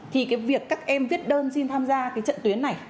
thì cái việc các em viết đơn xin tham gia cái trận tuyến này